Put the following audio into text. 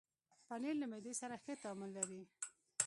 پنېر له معدې سره ښه تعامل لري.